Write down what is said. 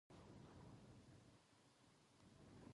早う文章溜めて